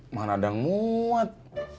mana ada yang muat